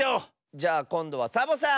じゃあこんどはサボさん！